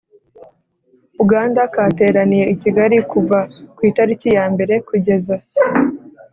uganda kateraniye i kigali kuva ku itariki ya mbere kugeza